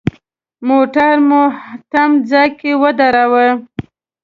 موټر مو تم ځای کې ودراوه.